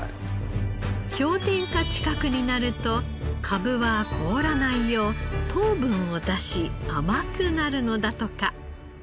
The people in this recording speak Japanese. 氷点下近くになるとかぶは凍らないよう糖分を出し甘くなるのだとか。